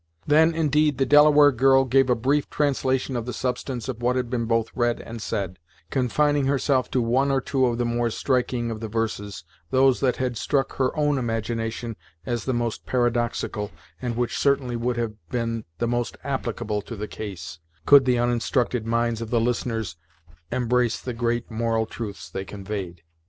Then, indeed, the Delaware girl gave a brief translation of the substance of what had been both read and said, confining herself to one or two of the more striking of the verses, those that had struck her own imagination as the most paradoxical, and which certainly would have been the most applicable to the case, could the uninstructed minds of the listeners embrace the great moral truths they conveyed.